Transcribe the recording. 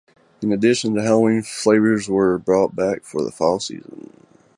In addition, the Halloween flavors were brought back for the fall season.